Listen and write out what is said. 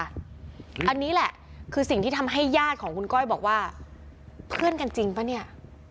อันนี้แหละคือสิ่งที่ทำให้ญาติของคุณก้อยบอกว่าเพื่อนกันจริงป่ะเนี่ย